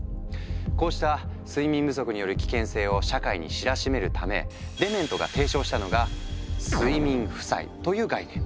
こうした睡眠不足による危険性を社会に知らしめるためデメントが提唱したのが「睡眠負債」という概念。